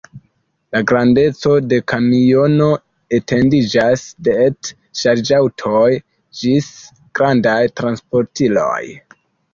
La grandeco de kamiono etendiĝas de et-ŝarĝaŭtoj ĝis grandaj transportiloj.